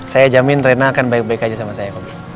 saya jamin rena akan baik baik aja sama saya